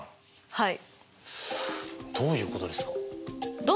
はい。